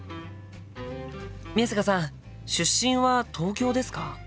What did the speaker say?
宮坂さん出身は東京ですか？